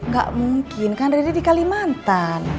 gak mungkin kan reda di kalimantan